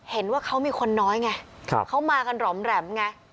เห็นว่าเขามีคนน้อยไงเขามากันหล่อมแหลมไง